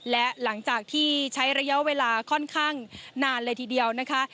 และหลังจากที่ใช้ระยะเวลาค่อนข้างนานเลยทีเดียวนะคะ